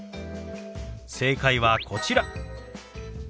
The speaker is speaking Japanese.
正解はこちら。